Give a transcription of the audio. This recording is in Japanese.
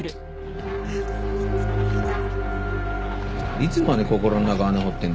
いつまで心の中穴掘ってんだ？